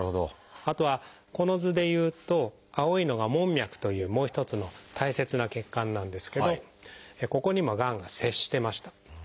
あとはこの図でいうと青いのが「門脈」というもう一つの大切な血管なんですけどここにもがんが接してました。